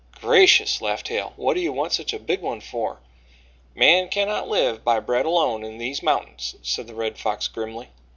"Gracious," laughed Hale, "what do you want such a big one for?" "Man cannot live by bread alone in these mountains," said the Red Fox grimly.